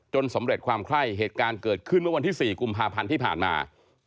สำเร็จความไข้เหตุการณ์เกิดขึ้นเมื่อวันที่๔กุมภาพันธ์ที่ผ่านมา